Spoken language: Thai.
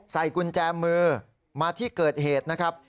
ใส่กุญแจมือมาที่เกิดเหตุนะครับ